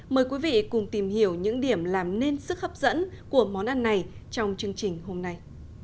mời quý vị cùng tìm hiểu những điểm làm nên sức hấp dẫn của món ăn này trong chương trình hôm nay